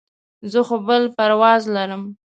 زه خو بل پرواز لرم.